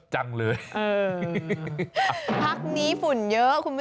ใช่ค่ะ